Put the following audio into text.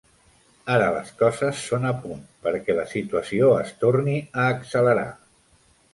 Ara les coses són a punt perquè la situació es torni a accelerar.